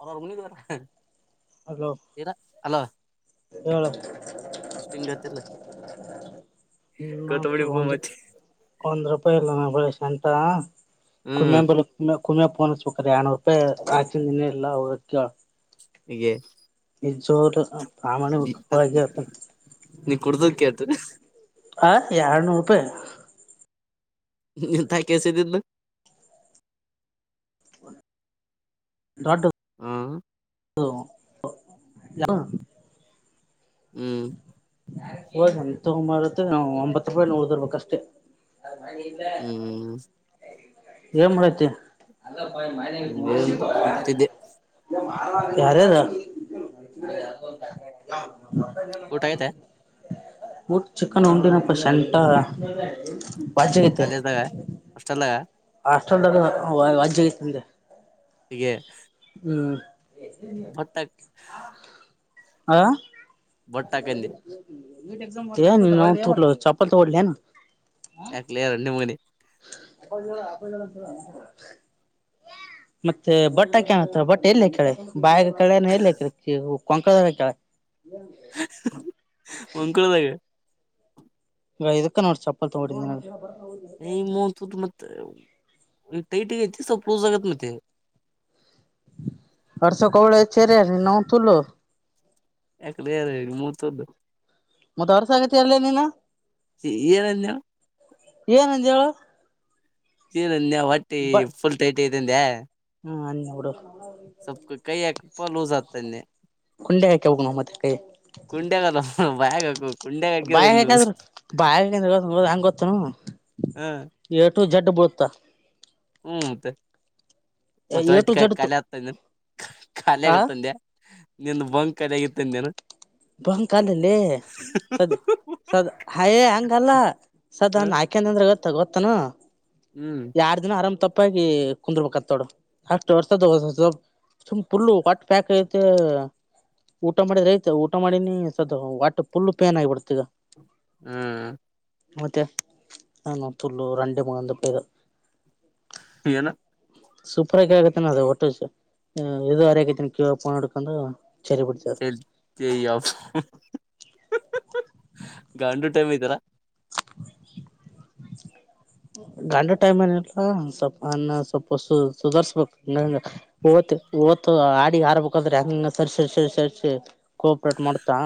ಅವ್ರ ಅವರು ಮುನ್ನ ಏರ ಅಲೋ ಹಾ ಎಷ್ಟು ಹೆಂಗತ್ತಲ್ಲ ಹ್ಮ ಒಂದು ಒಂದ ರೂಪಾಯಿ ಇಲ್ಲ ನ ಳ ಶಂಂತ ಹ್ಮ್ ಕುೆಂಬ ಉಮಾ ಪೋಕ್ರ ಯನೂರು ರೂಪಾಯಿ ಆಚ ಇನ್ನೇ ಇಲ್ಲ ಅವ ಗೆ ಈ ಜೋರು ಪ್ರಾಮಾಣಿಕಿಕವಾಗಿತ ನೀ ಕುಡ್ದದಕತ ಹ ಎರನೂರು ರೂಪಾಯಿ ತಾಯ ಕೆಸ ದಿದ್ದ ನ ದೊಡ್ಡ ಹಾ ಹ ಹ್ಮ್ ಹ ಎಂತಂಬ ಇರುತ್ತೆ ನಾವು ಒಂಬತ್ ರೂಪಾಯಿ ನೋಡದಿರ್ಬೇಕಷ್ಟೇ ಹ್ಮ್ ಏನೂ ಮಾಡಾಕತ್ತಿಯ ಏನ್ ಕುಂತಿದ್ದೆ ಯಾರೇರಾ ಊಟ ಆಯ್ತಾ ಊಟ್ಟ ಚಿಕನ್ ಉಂಡಿನಪ್ಪ ಶೆಂತಾ ಕಾಲೇಜ್ ದಾಗಾ ಹಾಸ್ಟೆಲದಾರಿ ಚೊಂಡ ಅದಾ ವಾಚಾ ದಾಗಿತಂದೆ ಇಗೆ ಹ್ಮ ಹೊಟ್ಯಾಗ್ ಹಾ ಹಾಕಂದೆ ನಿ ನ ತುಟಲ ಚಾಪ್ಪಪಲ್ ತ ಒಡ್ಲಿ ಯಾಕ್ ಲೇ ರಾಂಡಿಮಗನೆ ಅಪ್ಪ ಜ ಅಪ್ಪ ಜನ ಮತ್ತೆ ಬಟ್ಟ ಕನ್ತ ಬಟ್ಟೆ ಎಲ್ಲ ಕಡೆ ಬಾಯ ಕ ಹೇಳ ಕೊಂಕದ ಹಾಕ್ಯಲ್ ಹೂಂಕುಳದಾಗ ಈ ಇದಕ್ಕ ನೋಡಿ ಚಪ್ಪಲ್ ತಗೊಂಡಿದನಿ ನೋ ಏ ಮೂ ಮತ್ತೈಟ ಐತಿ ಸ್ವಲ್ಪೂಸ್ ಆಗತ್ ಮತ್ತೆ ಹರ್ಷೋ ಕವಳೆ ಚರೆ ನವು ತುಲ [unintelligible] ಮತ್ತ ಅವರ್ಸಗತಿ ಅರ್ಲ್ಲ ನೀನು ಏನಂದ ಏನಂಜೇಳು ನನ್ ಹೊಟ್ಟಿ ಬಟ್ ಫುಲ್ ಟೈಟ್ ಇದ್ದನ್ೆ ಹ್ಮ ನೋಡು ತುಪ್ಪ ಲೂಸ್ ಆಗ್ತೆ ಹಾಕ್ಯಬೇಕು ನಾವ್ ಮತ್ತೆ ಕೈ ಕುಂಡೆಗಲ್ಲ ಬ್ಯಾಗ ಬಾಯ ಹಕಾದ್ರರು ಬಾಯ ಹಾಂದ್ರ ಗೊ ಗ ಹಂಗ ಗೊತ್ತನು ಹ ಎು ಜಡ್ ಬಡತ್ತಾ ಹ್ಮ್ತ್ತ ಮತ್ತ ಎ ಟು ಒಟಿಕ ಜಡ್ ಕಖಲೆ ಆಗ್ತ ಖಾಲಿ ಆ ಆಗತ್ತಂದೆ ನಿನ್ ಬಂಗ್ ಖಾಲಿ ಆಗಿತ್ತಂದೇನು ಬಂಕ ಅಲ್ಲಲೆ ಸದ್ಯ ಸದಾ ಹಯೇ ಹಂಗಲ್ಲ ಸದಾ ಹ ನಾಕೆನಂದ್ರೆ ಗೊತ್ತ ಗೊತ್ತಾನ ಹ್ಮ್ ಯಾರ್ ದಿನ ಆರಾಮ್ ತಪ್ಪಾಗಿ ಕುಂದರ್ಬೇಕತ್ತೋಡು ಅರ್ ಸುಮ್ ಫುಲ್ು ಹೊಟ್ಟ ಪ್ಯಾಕ್ ಐತೆ ಊಟ ಮಾಡಿದ್ರೆ ಐತೆ ಊ ಊಟ ಮಾಡಿನಿ ಸ್ಲ್ ವಟ ಪುಲ್ ಪೇನ್ ಆಗಿಬಿಡ್ತ ಈಗ ಹ್ಮ್ ಮತ್ತೆ ನ ಮ ತುಲ್ಲು ರಂಡೇ ಮೂಗೊಂದು ರೂಪಾಯದು ಏನ ಸೂಪರ ಆಿ ಆಗತನ ಅದು ಹೊಟ್ಟು ಇದು ಹರಿಕೈತನ ಕ್ಯ ೋನ್ ಹಡ್ಕೊಂಡು ಚ ಗಾಂಡುಟೈಮತರ ಗಂಡ ಟೈಮ್ ಏನಲ್ಲ ಸ್ವಲ್ಪ ಅನ್ನ ಸ್ವಲ್ಪ ಹೊಸ ಸುಧಾರ್ಸ್ಬೇಕು ವತ್ತು ಆಡಿ ಆಾರ್ಬೇಕಾದ್ರೆ ಹಂಗ ಸರ್ ಸರಿ ಸ ಸರಿಸಸಿ ಕೋಆಪ್ರೇಟ್ ಮಾಡ್ತಾ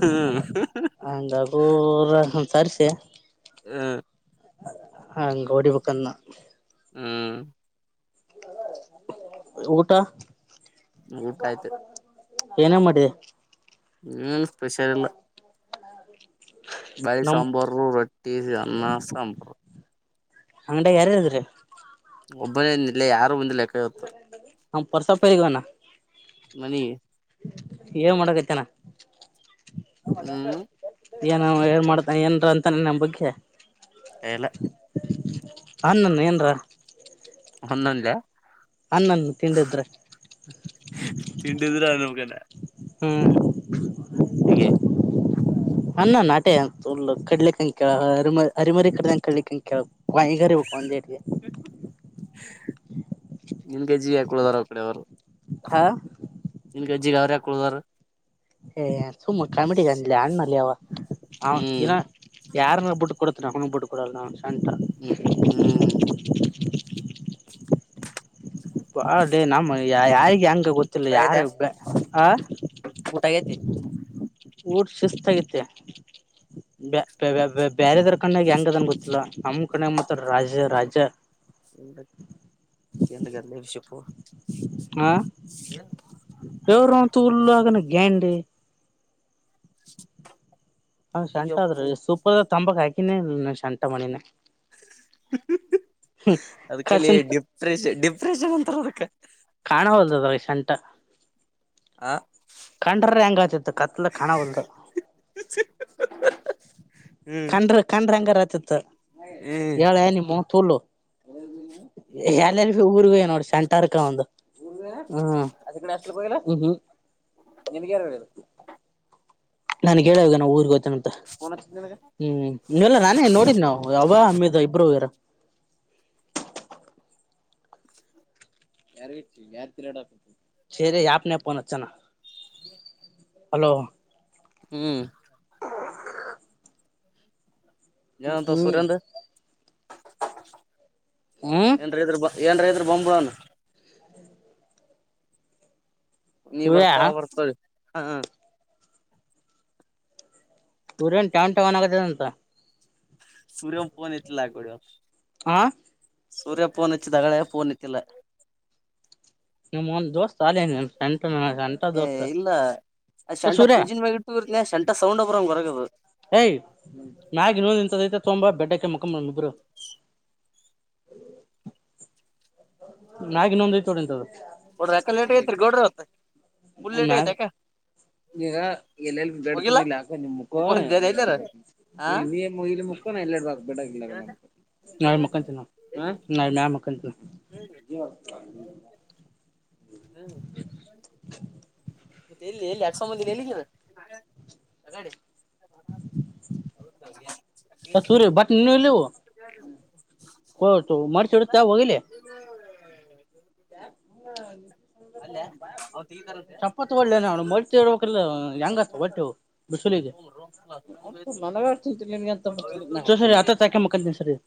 ಹ್ಮ್ ಹಂಗಾಗು ಸರಿ ಸ ಹ್ಮ ಹಾಂಗೋಡಿ ಪುಕ್ಕನ್ನ ಹ್ಮ್ ಊಟಾ ಊಟ ಆಯ್ತು ಏನೇ ಮಾಡಿದೆ ಹ್ಮ ಸ್ಪೆಷಲ್ಲ್ಲ [inaudible] ಬಳಿ ನಮ್ ಸಾಂಬಾರ ರೊಟ್ಟಿ ಅನ್ನ ಸಾಂಬಾರ ಅಂಗಡ ಯಾರುಗ್ರ ಒಬ್ಬನೇ ಇನ ಯಾರು ಬಂದು ಲೆ ಅವ ಪ್ರಸಪ ಯೇಳಿಗ ಹೋಗಾನ್ ಮನಿಗೇ ಏನ್ ಮಾಡಕತ್ಯಾನಾ ಹ್ಮ್ ಏನ ಏನ್ ಮಾಡ್ತಾನ ಏನ್ರ ಅಂತಾನ ನಮ್ಮ ಬಗ್ಗೆ ಎಲ್ಲ ಅನ್ನನ್ನ ಏನ್ರ ಒಂದಲ ಅನ್ನನ್ನು ತಿಂಡಿದ್ರ ತಿಂಡಿದ್ರ ನಮ್ಗನ ಹ್ಮ ಹಗೆೆ [unintelligible] [unintelligible] [unintelligible] ಹಾ ನಿನ್ ಗಜ್ಜೀಗೆ ಅವರ್ಯಾಕುಳದಾರ ಏ ಸುಮ್ಮ ಕಾಮಿಡಿಗೆ ಅಂದ್ನಲ್ಲೇ ಅಣ್ಣಲೇ ಅವ ದಿನ ಹ್ಮ್ ಯಾರ್ನ ಬಿಟ್ಟ ಕೊಡತ್ನ ಅವ್ನ ಬಿಟ್ಟ ಕೊಡಲ್ಲ ನಾ ಶಂಟ ಹ್ಮ್ ಹ್ಮ್ [inaudible] ಡೇ ನಮ್ಮ ಯಾ ಯಿ ಹೆಂಗ ಊಟ ಗೊತ್ತಿಲ್ಲ ಆಗೈತೆ ಯಾರು ಆ ಊಟ ಆಗೈತಿ ಊಟ್ ಸಿಸ್ಥಾಗೇತಿ ಬ್ಯಾ ಬ್ಯಾ ಬ್ಯಾ ಬ್ಯಾರೆದರ ಕಣ್ಣಾಗ ಹೆಂಗದಾನ್ ಗೊತ್ತಿಲ್ಲ ನಮ್ಮ್ ಕಣ್ಣಾ ಮ [unintelligible] [unintelligible] ಹಾ ಶಂಟ ಆದ್ರ ಅಯ್ಯಪ್ಪು ಸೂಪರ್ದ ತಂಬಕ್ ಹಾಕಿನೇ ಇ ಶಂಠ ಮಣಿನ ಅದ್ಕಲೇ ಕಚಿಂತ ಡಿಪ್ರೆಷ ಡಿಪ್ರೆಷನ್ ಅಂತಾರ ಅದಕ್ಕೆ ಕಾಣವಲ್ದದ ಅದ್ರಾಗ ಶಂಠ ಆ ಕಂಡ್ರರ ಹೆಂಗ ಆತಿತ್ ಕತ್ಲದಾಗ ಕಾಣವಲ್ದ ಹ್ಮ್ ಕಂಡ್ರ ಕಂಡ್ರ ಹೆಂಗರ ತಿತ್ ಹ್ಮ್ ಹೇಳೇ ನಿಮ್ಮೌ [unintelligible] ಹ್ಮ್ ಅದ್ಕೆ ನೀ ಹಾಸ್ಟೆಲ್ಗೆ ಹೋಗಿಲ್ಲ ಊಹೂಂ ನಿನ್ಗ ಯಾರು ಹೇಳಿದ್ದು ನನ್ಗ್ ಹೇಳೇ ಹೋಗ್ಯಾನಾ ಊರ್ ಗೊ ಹ್ಮ್ ಇಲ್ಲ ನಾನೇ ನೋಡಿದ್ನ ಅವ್ ಅವ ಹಮ್ಮಿದ ಇಬ್ಬರು ಹೋಗ್ಯಾರ [unintelligible] ಯಾಪ್ನ್ಯಾಗ ಪೋನ ಹಚ್ಚನಾ [inaudible] ಹಲೋ ಹ್ಮ್ ಏನಂತವ್ ಹ್ಮ್ ಸುರ್ಯಾಂದು ಹ್ಮ್ ಏನ್ರ ಇದ್ರ ಬಾ ಏನ್ರ ಇದ್ರ ಬಂದ್ಬಿಡನ್ ನೀ ಸೂರ್ಯ ಬರ್ತೆ ಅವ ಬರ್ತ ಹಾ ರೇನ್ ಟ್ಯಾವ್ ಟ್ಯಾವ್ ಅನ್ನಾಕತ್ತದ್ ಅಂತ ಸೂರ್ಯಮ್ ಪೋನ್ ಎತ್ಲಾಲಾಗೊಡೆ ಆ ಸೂರ್ಯ ಫೋನ್ ಹಚ್ಚಿದಿ ಆಗಳೆ ಫೋನ್ ಎತ್ತಿಲ್ಲ ನಿಮ್ಮೌನ್ ದೋಸ್ತಾ ಲೇ ನೀನ್ [unintelligible] ಏ ದೋಸ್ತ್ ಇಲ್ಲ ಏ ಸೂರ್ಯ [unintelligible] [unintelligible] [unintelligible] ಮ್ಯಾಗ ಇನ್ನೊಂದು ಐತ್ ನೋಡ ಹಿಂತಾದ ಗೋಡ್ರ ಯಾಕ ಲೇಟ ಆಗೇತ್ರಿ ಗೌಡ್ರ ಇವತ್ತ ಫುಲ್ ಲೇಟ ಆಗೇತಿ ಯಾಕ ಈಗ ಎಲ್ಲೆಲ್ಲಿ ಬೆಡ್ತ ಹೋಗಿಲ್ಲ ಬಂದಿಲ್ಲ ಅಕೌಂಟ್ ಮುಖ ಮುಕೊಂದ ಎಲ್ಲಾರ ನಖ ಹ ಇ ನೀ ಇ ಮುಖ ಎಲ್ಲ ಇಡಬೇಕ ಬೇಡಾಗಿಲ್ಲಿಲ್ಲ ನಮು ನಾನು ಮೇಲೆ ಮಕ್ಕೊಂತೀನಿ ಏನು ಮತ್ತೆ ಎಲ್ಲಿ ಎಲ್ಲಿ ಅಕ್ಸ ಬಂದಿಯಲ್ಲ ಎಲ್ಲೈತದು ಸೂರಿ ಬಟ್ಟೆ ನಿನ್ನ ಹುಲ್ಲೇ ನೀವು ಕೊಡಕ್ಕ ಮಾಡ್ಸಿರ್ತೀಯ ಹೋಗಿಲಿ ನಿಂದ ಅಲ್ಲ ಅವ ತೆಗಿತಾರಂತೆ ಚಪ್ಪಲ್ತಾಳ ತಗೊಳ್ಳೇನ್ ಮಡಚಿ ಇಡಬೇಕಲ್ಲ ಹೆಂಗ ಕಬ್ಬಡ್ಡಿ ಬಿಸಿಲಿಗೆ ನನಗ ಚಿಂತಿಲ್ಲ ನಿನಗಿಂತ ಅವ್ರ ಇಬ್ರು ಪರಿಸ್ಥಿತಿ ಹತ್ತತ್ತೈಕೆ ಮಕ್ಕೊಂತೀನ್ ಸರಿ ಇಲ್ಲಿ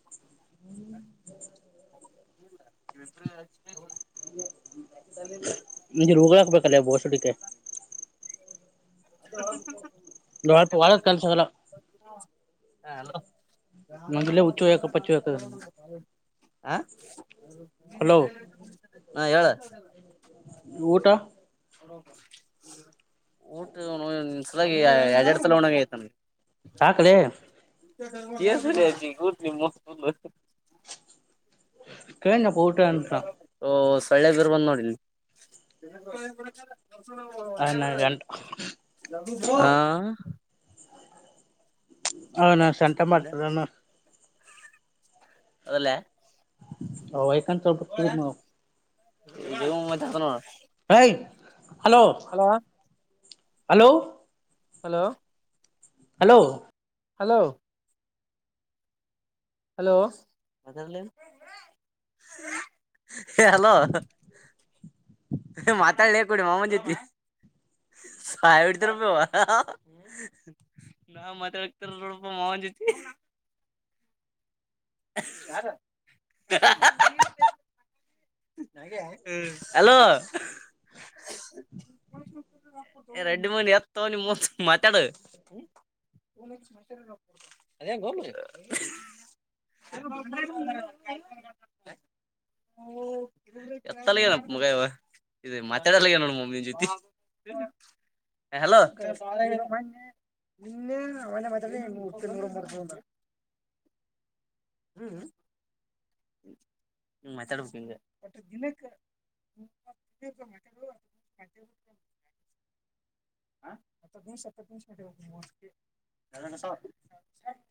[inaudible] ನಿನಗೆ ರೋಗ್ಯಾಕ್ ಬೇಕಲೇ ಬೋಸುಡಿಕೆ [inaudible] ಎಕ್ಕಡ ಕಳುಸರ್ ಲಾರ್ಡ್ ವೈರ್ ಕಾಣಿಸೋದಲ್ಲ ಹ ಹಲೋ ಆ ನಂಗಿಲ್ಲೇ ಹುಚ್ಚು ಯಾಕ ಪಚ್ಚು ಯಾಕ ಹಲೋ ಹಾ ಹೇಳ ಊಟಾ ಊಟಸಲಾಗಿ ಎರಡೆರಡು ಸಲ ಉಣ್ಣಂಗ್ ಆಗೈತಿ ಯಾಕಲೇ ಏನ್ ಕೆಲಸ ಇದೆ ನಿಮ್ಮವ್ವನ್ ತಲೋ ಹೇಳದ್ನಪ್ಪ ಊಟ ಏನಂತ ಪಳ್ಳೆ ಬೇರ್ ಬಂದ ನೋಡಿಲ್ಲ ಹುಚ್ ಸೂಳೇ ಮಗ ಅವನ ಗಂಟ ನೋಡಪ್ಪ ಹ ಏನ್ ಸೊಂಟ ಮಾಡ್ತೀರೇನು ಅದಲ್ಲ ಆ ವೈಕುಂತರು ನೋಡಪ್ಪ ಇವನು ಮಾತಾಡ್ತಾ ನೋಡು hi hello hello hello hello hello hello ಅದಲ್ಲ ಏನು ಹೇ ಹಲೋ ಹ ಮಾತಾಡಲೇ ಕೂಡ ನಿಮ್ಮಮ್ಮನ ಜೊತೆ ಆ ಹೊಡಿತಿರಪ್ಪ ನೀವು ನಾನು ಮಾತಾಡಕ್ಕೆ ನಡಪ ಮಾವನ್ ಜೊತಿ ಯಾರು ಹಲೋ ರೆಡ್ಡಿ ಮನ ಎತ ನೀ ವ್ವನ್ ತುಲ ಮಾತಾಡೋ ಅದೆಂಗೋ ಮರ್ಯಾ [inaudible] ಎತ್ತಲಗೆ ಮಗ ಇವ ಮಾತಾಡಲಾಗೆ ನಿವ ನನ್ ಜೊತೆ ಹಲೋ ನಿನ್ನೆ ಇಲ್ಲ ಮನೆ ಮಾತಾಡೆ ನಿನ್ ಹ್ಮ್ ಮಾತಾಡಬೇಕೆಂಗೆ ದಿನಕ್ಕೆ [inaudible] ಹ ಹತ್ತತ್ ನಿಮಿಷ ಹತ್ತತ್ ನಿಮಿಷ ಗಂಟೆ ನಿಮ್ಮವನು ಕನ್ನಡ ಸು